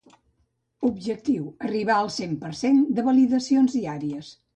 Objectiu arribar al cent per cent de validacions diàries.